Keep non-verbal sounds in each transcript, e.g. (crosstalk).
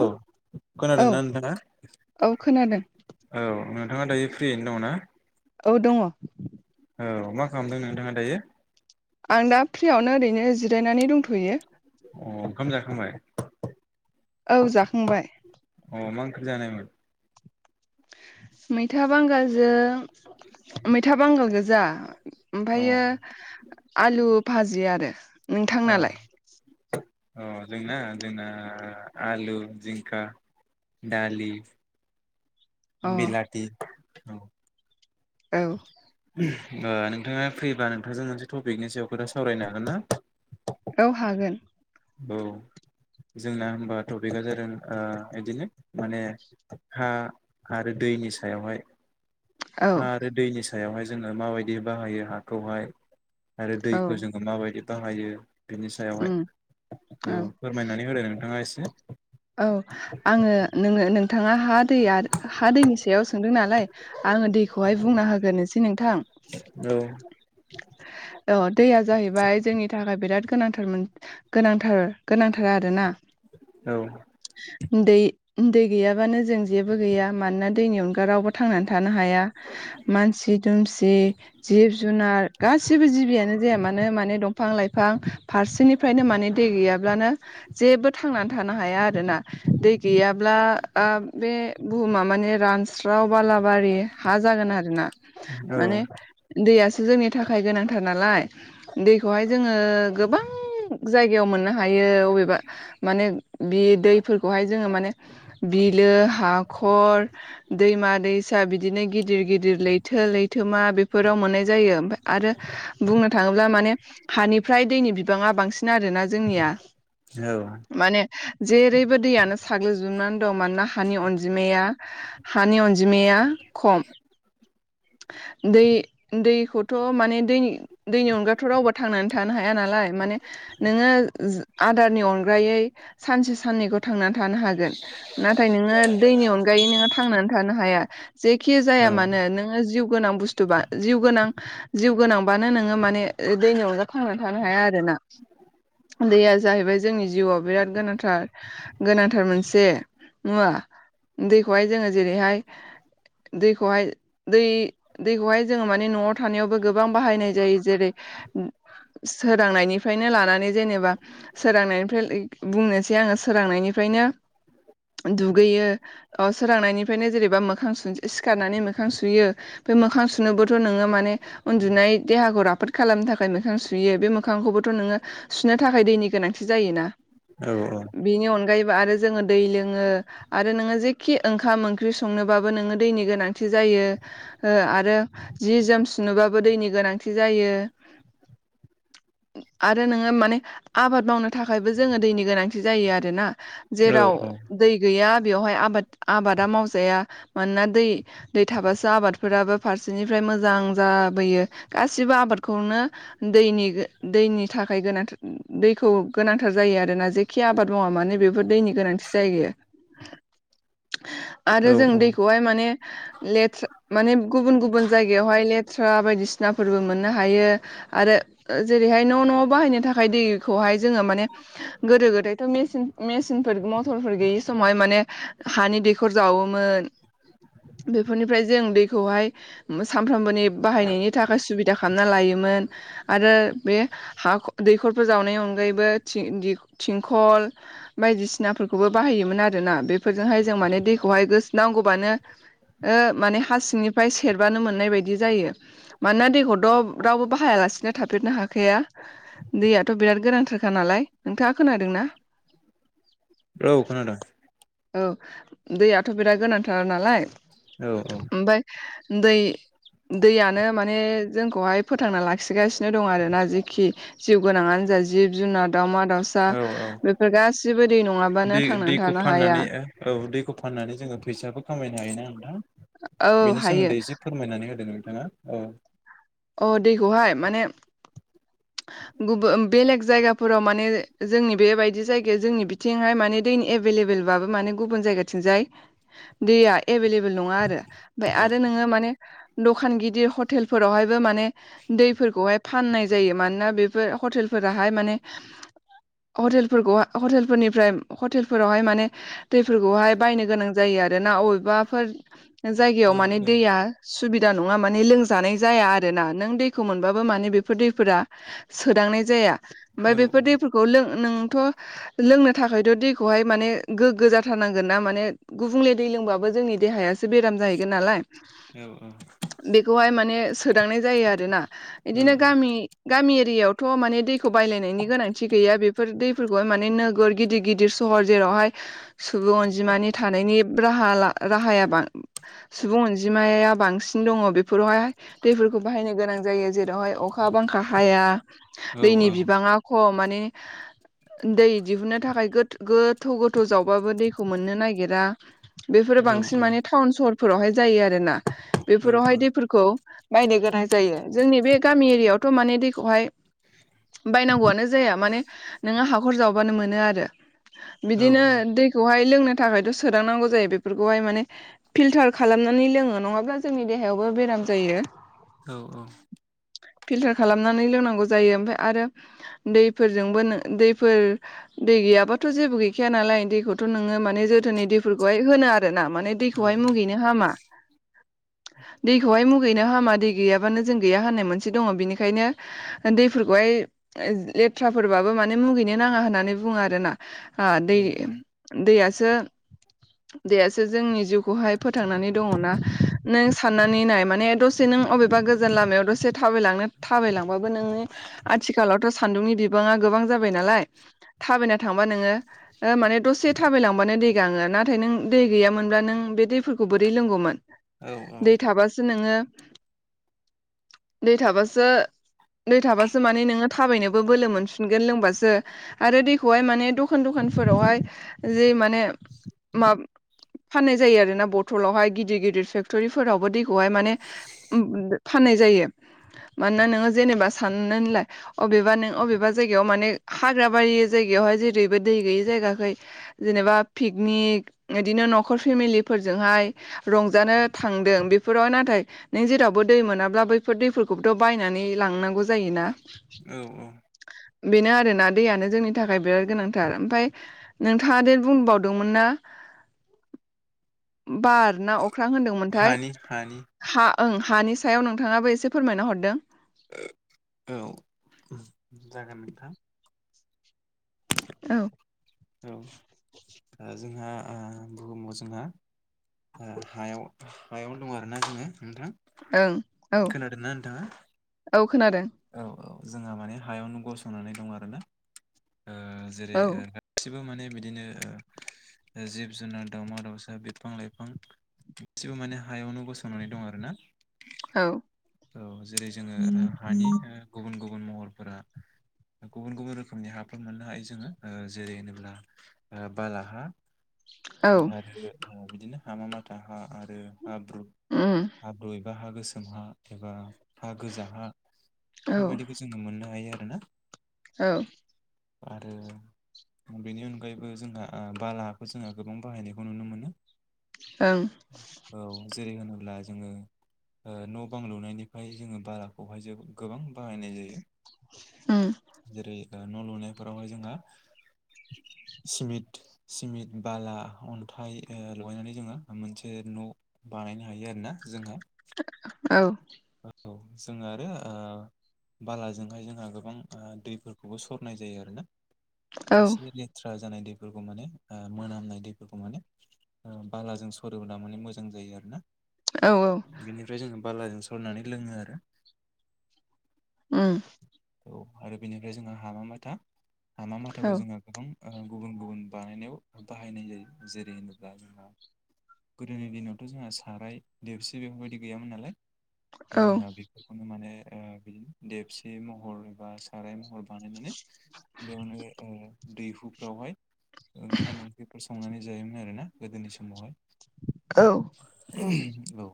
औ औ खोनादोंना नोंथाङा? औ खोनादों औ नों नोंथाङा दायो फ्रियैनो दङ ना? औ दङ। औ मा खालामदों नोंथाङा दायो? आं दा फ्रियावनो ओरैनो जिरायनानै दंथ'यो। अह ओंखाम जाखांबाय? औ जाखांबाय। अह मा ओंख्रि जानायमोन? मैथा बांगालजों मैथा बांगाल गोजा। अ ओमफ्रायो आलु भाजि आरो नोंथांनालाय? अ जोंना जोंना आलु, जिंखा दालि अ बिलाथि। औ। ओ नोंथाङा फ्रिबा नोंथांजों मोनसे टपिकनि सायाव खोथा सावरायनो हागोन ना? औ हागोन औ। जोंना होनबा टपिकआ जादों बिदिनो माने हा आरो दैनि सायावहाय औ हा आरो दैनि सायावहाय जोङो माबायदि बाहायो हाखौहाय? आरो औ दैखौ जोङो माबायदि बाहायो बिनि सायावहाय उम औ फोरमायनानै होदो नोंथाङा। थाङा एसे औ आङो नोङो नोंथाङा हा दैया हा दैनि सायाव सोंदों नालाय आङो दैखौहाय बुंना होग्रोनोसै नोंथां। औ औ दैया जाहैबाय जोंनि थाखाय बिराद गोनांथार मोन गोनांथार गोनांथार आरोना। औ दै दै गैयाबानो जों जेबो गैया मानोना दैनि अनगा रावबो थांनानै थानो हाया। मानसि दुमसि जिब जुनार गासिबो जिबियानो जाया मानो माने दंफां लाइफां फारसेनिफ्रायनो माने दै गैयाब्लानो जेबो थांनानै थानो हाया आरो ना दै गैयाब्ला ओ बे बुहुमा माने रानस्रा व बालाबारि हा जागोन आरोना औ माने दैया जोंनि थाखाय गोनांथार नालाय दैखौहाय जोङो गोबां जायगायाव मोननो हायो अबेबा माने बे दैफोरखौहाय जोङो माने बिलो हाखर दैमा दैसा बिदिनो गिदिर गिदिर लैथो लैथोमा बेफोराव मोननाय जायो ओमफाय आरो बुंनो थाङो माने हानिफ्राय दैनि बिबाङा बांसिन आरोना जोंनिया। माने औ जेरैबो दैयानो साग्लोबजोबनानै दं मानोना हानि अनजिमाया हानि अनजिमाया या खम। (inaudible) दै दैखौथ' माने दै दैनि अनगाथ' रावबो थांनानै थानो हाया नालाय माने नोङो आदारनि अनगायै सानसे साननैखौ थांनानै थानो हागोन नाथाय नोङो दैनि अनगायै नोङो थांनानै थानो हाया। जेखि जाया औ मानो नोङो जिउ गोनां बुस्थु बा जिउ गोनां जिउ गोनां बानो नोङो माने दैनि अनगा थांनानै थानो हाया आरोना। दैया जाहैबाय जोंनि जिउआव बिराद गोनांथार गोनांथार मोनसे मुवा। दैखौहाय जोङो जेरैहाय दैखौहाय दै दैखौहाय जोङो माने न'आव थानायावबो गोबां बाहायनाय जायो जेरै सोरांनायनिफ्रायनो लानानै जेनेबा सोरांनायनिफ्राय लै बुंनोसै आङो सोरांनायनिफ्रायनो दुगैयो अ सोरांनायनिफ्रायनो जेनेबा मोखां सो सिखारनानै मोखां सुयो। बे मोखां सुनोबोथ' नोङो माने उन्दुनाय देहाखौ राफोद खालामनो थाखाय मोखां सुयो बे मोखांखौबो थ' नोङो सुनो थाखाय दैनि गोनांथि जायोना बिनि अनगायै बो आरो जोङो दै लोङो आरो नोङो जिखि ओंखाम ओंख्रि संनोबाबो नोङो दैनि गोनांथि जायो। आरो जि जोम सुनोबाबो दैनि गोनांथि जायो। (inaudible) आरो नोङो माने आबाद मावनो थाखायबो जोनो दैनि गोनांथि जायो आरोना औ जेराव दै गैया बेयावहाय आबाद आबादा मावजाया मानोना दै दै थाबासो आबादफोराबो फारसेनिफ्राय मोजां जाबोयो गासिबो आबादखौनो दैनि गो दैनि थाखाय गोनांथि दैखौ गोनां थार जायो आरोना जेखि आबाद मावा मानो बेफोर दैनि गोनांथि जायो। औ आरो जों दैखौहाय माने लेथ्रा माने गुबुन गुबुन जायगायावहाय लेथ्रा बायदिसिनाफोरबो मोननो हायो। आरो जेरैहाय न' न'आव बाहायनो थाखाय दैखौहाय जोङो माने (inaudible) गोदो गोदायथ' मेसिन मेसिनफोर मथरफोर गैयि समावहाय माने हानि दैखर जावोमोन। (inaudible) बेफोरनिफ्राय जों दैखौहाय सानफ्रामबोनि बाहायनायनि थाखाय सुबिदा खालामना लायोमो मोन आरो बे हाख' दैख'रफोर जावनायनि अनगायैबो थिं दि थिंखल बायदिसिनाफोरखौबो बाहायोमोन आरोना बेफोरजोंहाय जों माने दैखौ खौहाय गोसो नांगौबानो ओ माने हा सिंनिफ्राय सेरबानो मोननाय बायदि जायो मानोना दैखौथ' रावबो बाहायाला सिनो थाफेरनो हाखाया दैयाथ' बिराद गोनांथार थार नालाय नोंथाङा खोनादोंना? औ खोनादों। औ दैयाथ' बिराद गोनांथार नालाय औ ओमफाय दै दैयानो माने जोंखौहाय फोथांना लाखिगासिनो दं आरोना जेखि जिउ गोनाङानो जा जिब जुनार दावमा दाउसा औ औ बेफोर गासिबो दै दै नङाबानो थांनानै दैखौ थानो फाननानै हाया। औ दैखौ फाननानै जोङो फैसाबो खामायनो हायो ना नोंथां। औ बेनि हायो सोमोन्दै एसे फोरमायनानै होदों नोंथाङा औ। अ दैखौहाय माने गुबु बेलेग जायगाफोराव माने जोंनि बेबायदि जायगायाव जोंनि बिथिंहाय माने दैनि एभेलेबोल बोल बाबो माने गुबुन जायगाथिंजाय दैया एभेलेबोल नङा आरो ओमफ्राय औ आरो नोङो माने दखान गिदिर हटेलफोरावहाय ओ माने दैफोरखौहाय फाननाय जायो मानोना बेफोर हटेलफोराहाय माने हटेलफोरखौ हटेलफोरनिफ्राय हटेलफोरावहाय माने दैफोरखौहाय बायनो गोनां जायो। आरो ना अबेबाफोर जायगायाव औ माने दैया सुबिदा नङा माने लोंजानाय जाया आ रोना नों दैखौ मोनबाबो माने बेफोर दैफोरा सोदांनाय जाया। औ ओमफ्राय बेफोर दैफोरखौ लों नोंथ' लोंनो थाखायथ' दैखौहाय माने गोग्गो जाथारनांगोन ना माने गुबुंले दै लोंबाबो जोंनि देहायासो बेराम जाहैगोन नालाय। औ औ। खौहाय माने सोदांनाय जायो आरोना इदिनो गामि गामि दैयावथ' माने दैखौ बायलायनायनि गोनांथि गैया बेफोर दैफोरखौ माने नोगोर गिदिर गिदिर सहर जेराव हाय सुबुं अनजिमानि थानायनि राहा ला राहाया बां सुबुं अनजिमा माया बांसिन दङ बेफोरावहाय दैफोरखौ बाहायनो गोनां जायो जेरावहाय अखा बांखा हाया औ दैनि बिबाङा खम माने ने दै दिहुननो थाखाय गो-गोथौ गोथौ जावबाबो दैखौ मोननो नागिरा। बेफोरो औ बांसिन माने टाउन सहरफोरावहाय जायो आरोना औ बेफोरावहाय दैफोरखौ। बायनो गोनां जायो जोंनि बे गामि एरिया आवथ' माने दैखौहाय बायनांगौआनो जाया माने नोङो हाखर जावबानो मोनो आरो। बिदिनो दैखौहाय लोंनो थाखायथ' सोदांनांगौ जायो बेफोरखौहाय माने फिल्टार खालाम नानै लोंङो नङाब्ला जोंनि देहायावबो बेराम जायो। लांदां फिलटार खालामनानै लोंनांगौ जायो ओमफाय आरो दैफोरजोंबो नो दैफोर दै गैयाबाथ' जेबो गैखाया नालाय दैखौथ' नोङो माने जोथोननि दैफोरखौहाय होनो आरोना माने दैखौहाय मुगैनो हामा। लांदां दैखौ हाय मुगैनो गैनो हामा दै गैयाबानो जों गैया होननाय मोनसे दङ बिनिखायनो दैफोरखौहाय लेथ्राफोरबो माने मुगैनो नाङा होननानै बुङो आरोना दै दैया सो दैयासो जोंनि जिउखौहाय फोथांनानै दङ ना नों साननानै नाय माने दसे नों अबेबा गोजान लामायाव दसे थाबायलांनो थाबायलांबाबो नोङो आथिखालावथ' सानदुंनि बिबाङा गोबां जाबाय नालाय थाबायना थांबा नोङो माने दसे थाबायलांबानो दै गाङो नाथाय नों दै गैयामोनब्ला नों बे दैफोरखौ बोरै लोंगौमोन दै थाबासो नोंङो औ दै थाबासो दै थाबासो माने नोंङो थाबायनोबो बोलो मोनफिनगोन लोंबासो आरो दैखौहाय माने दखान दखान फोरावहाय जि माने मा फाननाय जायो आरो ना बथलावहाय गिदिर गिदिर फेक्ट'रिफोरावबो दै खौहाय माने उम बो फाननाय जायो मानोना नोंङो जेनेबा साननानैलाय अबेबा नों अबेबा जायगायाव माने हाग्राबारि जायगा बेयावहाय जेरैबो दै गैयै जायगाखै जेनेबा पिकनिक इदिनो न'खर फेमिलिफोरजों जोंहाय रंजानो थांदों बेफोराव नाथाय नों जेरावबो दै मोनाब्ला बैफोर दैफोरखौबोथ' बायनानै लांनांगौ जायोना औ औ बेनो आरोना दैयानो जोंनि थाखाय बिराद गोनांथार ओमफ्राय नोंथांङा दे बुंबावदोंमोन ना औ बार ना अख अख्रां होनदोंमोनथाय हानि हानि हा ओं हानि सायाव नोंथांङाबो एसे फोरमायना हरदों औ जागोन नोंथां औ औ जोंहा ओ बुहुमाव जोंहा हायाव हायावनो दं आरोना जोंङो नोंथां ओं औ खोनादोंना नोंथाङा औ खोनादों औ औ जोंहा माने हायावनो गसंनानै दं आरोना ओ जेरै औ ओ गासिबो माने बिदिनो जिब जुनार दावमा दाउसा बिफां लाइफां गासिबो माने हायावनो गसंनानै दं आरो ना औ औ जेरै जोंङो हानि ओ गुबुन गुबुन गुबुन महरफोरा गुबुन गुबुन रोखोमनि हाफोर मोननो हायो जोंङो जेरै होनोब्ला ओ बालाहा औ आरो बिदिनो हामा माथा हा आरो हाब्रु उम हाब्रु एबा हा गोसोम हा एबा हा गोजा हा औ बेफोरबायदिखौ जोंङो मोननो हायो आरो ना औ आरो बेनि अनगायैबो जोंहा ओ बालाहाखौ जोंङो गोबां बाहायनायखौ नुनो मोनो ओं औ जेरै होनोब्ला जोंङो ओ न' बां लुनायनिफ्राय जोंङो बालाखौहाय जों गोबां बाहायनाय जायो। उम जेरै ओ न' लुनायफोरावहाय जोंहा सिमिट सिमिट बाला अन्थाइ ओ लगायनानै जोंङो मोनसे न' बानायनो हायो आरोना जोंहा औ औ जों आरो ओ बालाजोंहाय जोंहा गोबां ओ दैफोरखौबो सरनाय जायो आरोना औ एसे लेथ्रा जानाय दैखौ दैफोरखौ माने ओ मोनामनाय दैफोरखौ माने बालाजों सरोब्ला माने मोजां जायो आरो ना। औ बेनिफ्राय जोंङो बालाजों सरनानै लोंङो आरो उम औ आरो बेनिफ्राय जोंहा हामा माथा हामा औ माथाखौ जोंङो गोबां गुबुन गुबुन बानायनायाव बाहायनाय जायो जेरै होनोब्ला जोंहा गोदोनि दिनावथ' जोंहा साराय देबसि बेफोरबायदि गैयामोन नालाय जोंहा बेफोरखौनो माने ओ बिदिनो देबसि महर एबा साराय महर बानायनानै बेयावनो दैहुफ्रावहाय ओंखाम ओंख्रिफोर संनानै जायोमोन आरोना गोदोनि समावहाय। औ। औ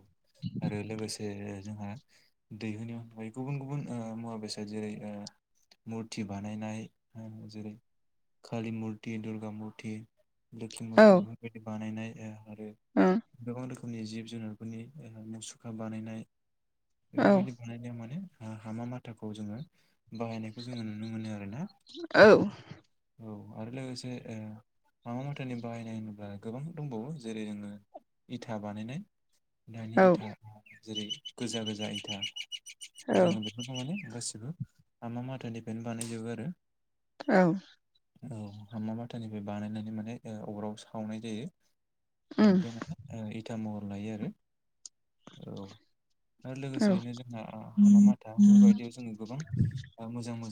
आरो लोगोसे जोंहा दैहुनि गुबुन गुबुन मुवा बेसाद जेरै मुरथि बानायनाय जेरै कालि मुरथि, दुर्गा मुरथि लोखि मुरथि बेफोरबायदि बानायनाय आरो उम गोबां रोखोमनि जिब जुनारफोरनि मुसुखा बानायनाय औ औ बेफोरबायाददि बानायनायाव माने हामा माथाखौ जोङो बाहायनायखौ जोङो नुनो मोनो आरोना? औ - औ। आरो लोगोसे हामा माथानि बाहायनाय होनोब्ला गोबां दंबावो जेरै नोङो इथा बानायनाय दानि इथा जेरै गोजा गोजा इथा जोङो बेखौनो माने गासिबो हामा माथानिफ्रायनो बानायजोबो। औ। औ हामा बाथानिफ्राय बानायनानै माने अराव सावनाय जायो। उम बेनिफ्राय माने इटा महर लायो आरो औ। आरो औ लोगोसेयैनो जोंहा हामा माथा ओं बेफोरबायायदियाव जोङो गोबां मोजां मोजां जों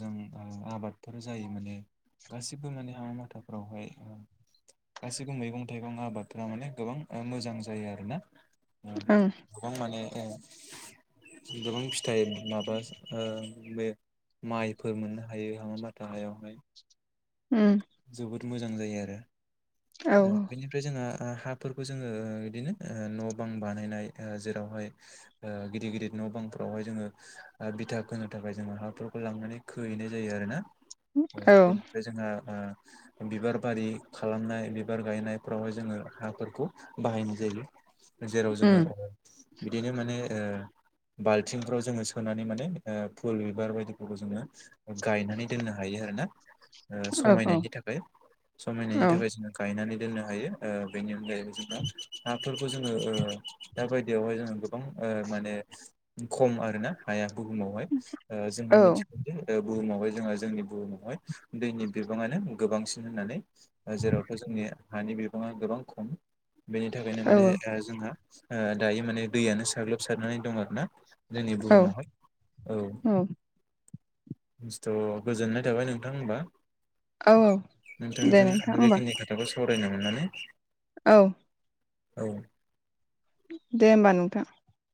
आबादफोर जायो माने गासिबो माने हामा माथाफ्रावहाय गासिबो मैगं थाइगं आबादफ्रा माने गोबां मोजां जायो आरोना? ओ औ गोबां माने गोबां फिथाइ माबा बे। माइफोर मोननो हायो हामा माथा हायावहाय। औ। जोबोद मोजां जायो आरो औ औ बेनिफ्राय जोंहा हाफोरखौ जोङो बिदिनो न' बां बानायनाय जेरावहाय गिदिर गिदिर न' बांफोरावहाय जोङो बिथा होनो थाखाय जोङो हाफोरखौ लांनानै खोहैनाय जायो आरोना। बेनिफ्राय जोंहा बिबार बारि खालामनाय बिबार गायनायफ्रावहाय जोङो हाफोरखौ बाहायनाय जायो। जेराव जोङो उम बिदिनो माने बाल्थिंफ्राव जोङो सोनानै माने फुल बिबार बायदिफोरखौ जोङो गायनानै दोननो हायो। औ औ समायनायनि थाखाय औ समायनायनि थाखाय जों गायनानै दोननो हायो। बेनि अनगायैबो जोङो हाफोरखौ जोङो दाबायदियावहाय गोबां माने खम आरोना हाया। बुहुमावहाय जोंना औ मिथिगौ बुहुमावहाय जो जोंनि बुहुमावहाय दैनि बिबाङानो गोबांसिन होननानै जेरावथ' जोंनि हानि बिबाङा गोबां खम बेनि थाखायनो माने जोंहा दायो माने दैयानो साग्लोब सारनानै दं आरोना। जोंनि औ बुहुमावहाय औ थ' गोजोननाय थाबाय नोंथां होमबा। औ दे नोंथां नोंथांजों होमबा बेखिनि खोथाखौ सावरायनो मोननानै। औ। औ। दे होमबा नोंथां